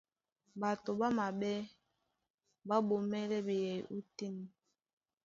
Ɓato ɓá maɓɛ́ ɓá ɓomɛ́lɛ́ ɓeyɛy ótên.